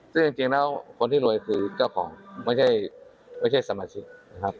ซึ่งจริงแล้วคนที่รวยคือเจ้าของไม่ใช่สมาชิกนะครับ